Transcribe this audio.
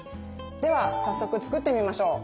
では早速作ってみましょう！